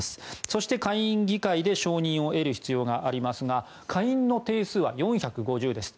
そして下院議会で承認を得る必要がありますが下院の定数は４５０です。